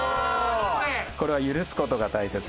これは「許す事が大切」。